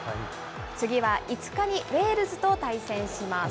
次は５日にウェールズと対戦します。